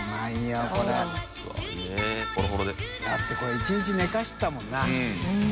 世辰これ１日寝かせてたもんな。